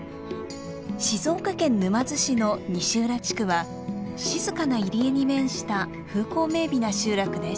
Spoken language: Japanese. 静岡県沼津市の西浦地区は静かな入り江に面した風光明美な集落です。